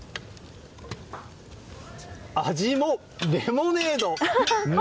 味もレモネード！